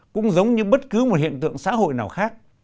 cũng giống như bất cứ một hiện tượng xã hội nào khác